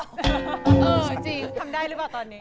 จริงทำได้รึป่ะตอนนี้